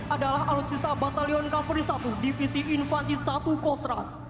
adalah alutsista batalion kavali satu divisi infanti satu kostrad